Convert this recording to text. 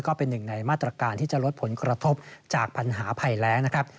ก็เป็นหนึ่งในมาตรการที่จะลดผลกระทบจากปัญหาภัยแรงนะครับ